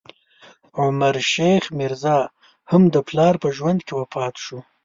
عمر شیخ میرزا، هم د پلار په ژوند کې وفات شو.